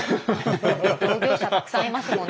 同業者たくさんいますもんね。